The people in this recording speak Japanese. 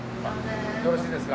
よろしいですか。